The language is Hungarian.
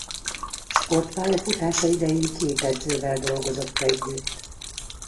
Sportpályafutása idején két edzővel dolgozott együtt.